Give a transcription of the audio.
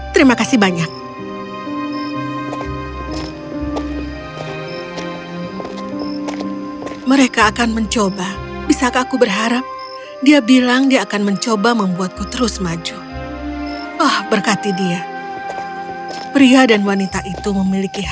terima kasih terima kasih banyak